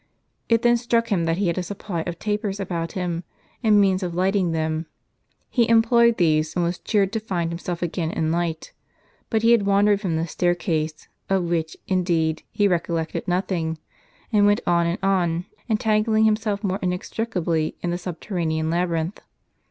It then struck him that he had a supply of tapers about him, and means of lighting them. He employed these, and was cheered by finding himself again in light. But he had wan dered from the staircase, of which, indeed, he recollected nothing, and went on, and on, entangling himself more inex tricably in the subterranean labyrinth.